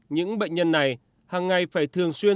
những bệnh nhân này hàng ngày phải thường xuyên